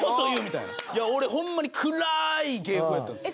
いや俺ホンマに暗い芸風やったんですよ。